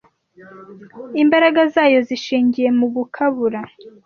Imbaraga zayo zishingiye mu gukabura